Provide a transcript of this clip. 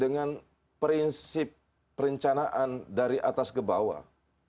dengan prinsip perencanaan dari atas ke bawah